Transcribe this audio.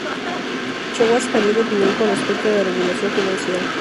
Schwartz cambió de opinión con respecto a la regulación financiera.